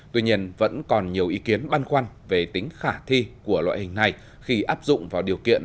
tuy nhiên vẫn còn nhiều ý kiến băn khoăn về tính khả thi của loại hình này khi áp dụng vào điều kiện